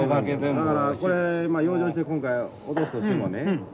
だからこれ養生して今回落とすとしてもね